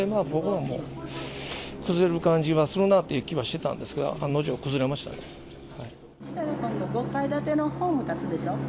崩れる感じはするなという気はしてたんですが、案の定、下に今度、５階建てのホーム建つでしょ。